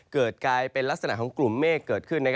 กลายเป็นลักษณะของกลุ่มเมฆเกิดขึ้น